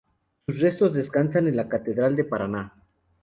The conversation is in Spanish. Sus restos descansan en la Catedral de Paraná.